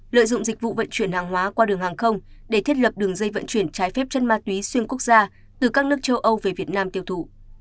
lợi dụng dịch vụ vận chuyển hàng hóa qua đường hàng không để thiết lập đường dây vận chuyển trái phép chân ma túy xuyên quốc gia từ các nước châu âu về việt nam tiêu thụ